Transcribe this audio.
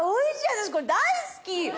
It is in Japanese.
私これ大好き！